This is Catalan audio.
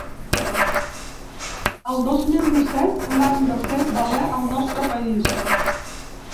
El dos mil disset, l’any de fer valer el nostre país